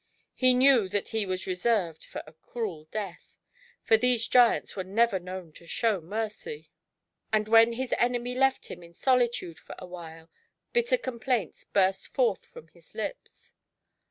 Ho knew that he was reserved for a cruel death — for these giants were never known to show mercy — and when his enemy left him in solitude for a while, bitter complaints burst forth from his lips.